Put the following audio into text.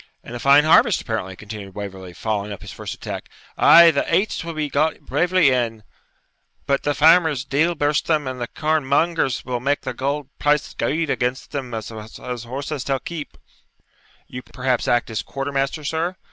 'And a fine harvest, apparently,' continued Waverley, following up his first attack. 'Ay, the aits will be got bravely in; but the farmers, deil burst them, and the corn mongers will make the auld price gude against them as has horses till keep.' 'You perhaps act as quartermaster, sir?'